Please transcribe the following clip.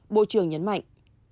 bộ trưởng nhấn mạnh